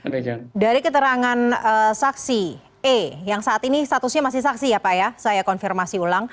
dari keterangan saksi e yang saat ini statusnya masih saksi ya pak ya saya konfirmasi ulang